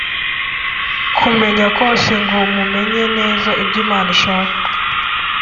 kumenya kose ngo mumenye neza ibyo Imana ishaka